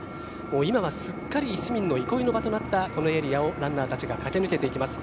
今はすっかり市民の憩いの場となったこのエリアをランナーたちが駆け抜けていきます。